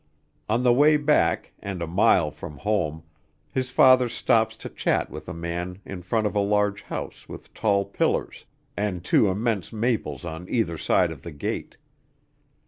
On the way back, and a mile from home, his father stops to chat with a man in front of a large house with tall pillars, and two immense maples on either side of the gate.